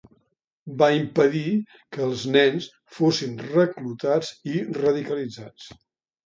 Va impedir que els nens fossin reclutats i radicalitzats.